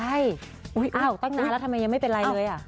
ใช่อ้าวตั้งนานแล้วทำไมยังไม่เป็นไรเลย